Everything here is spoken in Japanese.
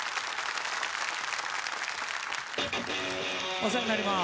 お世話になります。